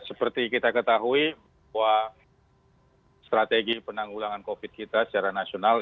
seperti kita ketahui bahwa strategi penanggulangan covid kita secara nasional